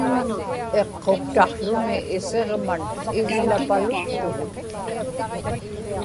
iqquktaqłuni isiġman iglapaluktugut